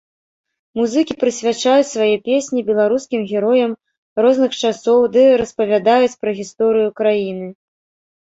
Музыкі прысвячаюць свае песні беларускім героям розных часоў ды распавядаюць пра гісторыю краіны.